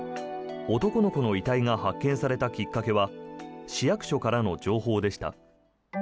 男の子の遺体が発見されたきっかけは市役所からの情報でした。